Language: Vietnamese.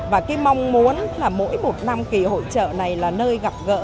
và mong muốn mỗi một năm kỳ hỗ trợ này là nơi gặp gỡ